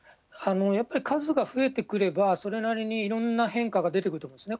やっぱり数が増えてくれば、それなりにいろんな変化が出てくるんですね。